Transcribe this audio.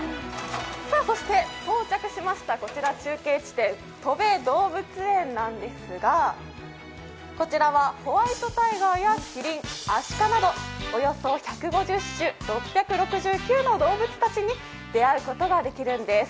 そして到着しましたこちら、中継地点、とべ動物公園なんですがこちらはホワイトタイガーやキリン、アシカなどおよそ１５０種６６９の動物たちに出会うことができるんです。